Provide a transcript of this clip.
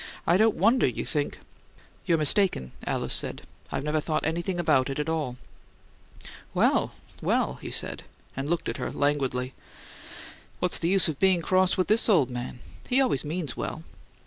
I don't wonder you think " "You're mistaken," Alice said. "I've never thought anything about it at all." "Well, well!" he said, and looked at her languidly. "What's the use of being cross with this old man? He always means well."